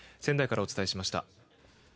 仙台からお伝えしました。